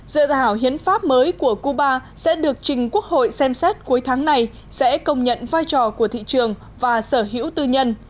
dự thảo hiến pháp mới của cuba sẽ được trình quốc hội xem xét cuối tháng này sẽ công nhận vai trò của thị trường và sở hữu tư nhân